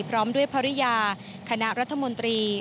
พร้อมด้วยภรรยาคณะรัฐมนตรี